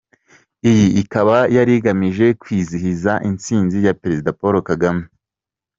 Iyi ikaba yari igamije kwizihiza intsinzi ya Parezida Paul Kagame.